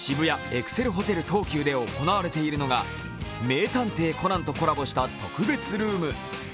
エクセルホテル東急で行われているのが「名探偵コナン」とコラボした特別ルーム。